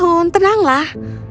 mengapa kau menginap